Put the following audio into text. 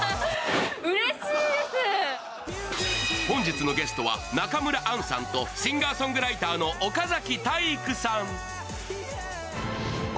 本日のゲストは中村アンさんとシンガーソングライターの岡崎体育さん。